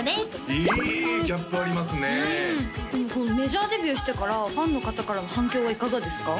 はいメジャーデビューしてからファンの方からの反響はいかがですか？